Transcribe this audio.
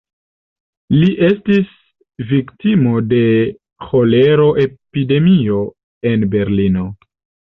Li estis viktimo de ĥolero-epidemio en Berlino.